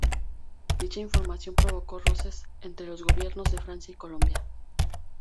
Dicha información provocó roces entre los gobiernos de Francia y Colombia.